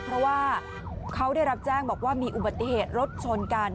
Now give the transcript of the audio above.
เพราะว่าเขาได้รับแจ้งบอกว่ามีอุบัติเหตุรถชนกัน